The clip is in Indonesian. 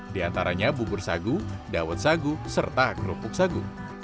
di antaranya bubur sagu dawet sagu serta kerupuk sagu